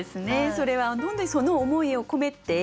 それは本当にその思いを込めて。